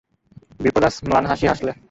বিপ্রদাস ম্লান হাসি হাসলে।